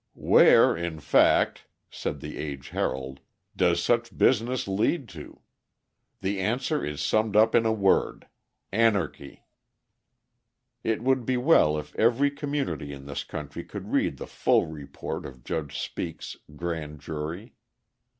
"Where, in fact," said the Age Herald, "does such business lead to? The answer is summed up in a word anarchy!" It would be well if every community in this country could read the full report of Judge Speake's grand jury.